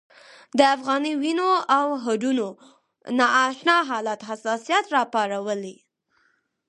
د افغاني وینو او هډونو نا اشنا حالت حساسیت راپارولی.